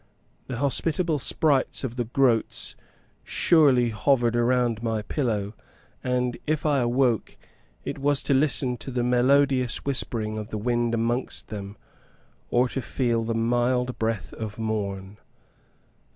The hospitable sprites of the grots surely hovered round my pillow; and, if I awoke, it was to listen to the melodious whispering of the wind amongst them, or to feel the mild breath of morn.